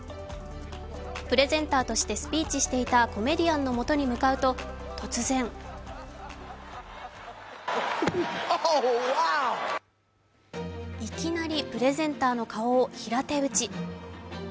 プレゼンターとしてスピーチしていたコメディアンの元に向かうと突然いきなりプレゼンターの顔を平手打ち。